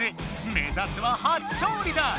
目ざすは初勝利だ！